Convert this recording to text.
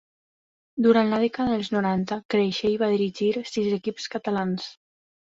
Durant la dècada dels noranta, Creixell va dirigir sis equips catalans.